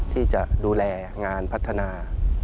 ที่จะดูแลงานพัฒนา